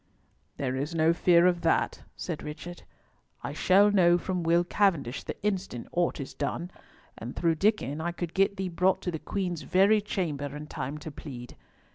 "There is no fear of that," said Richard; "I shall know from Will Cavendish the instant aught is done, and through Diccon I could get thee brought to the Queen's very chamber in time to plead.